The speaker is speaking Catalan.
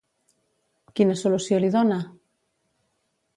Quina solució li dona?